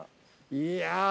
いや。